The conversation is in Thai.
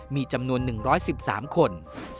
มีจำนวน๑๑๓คน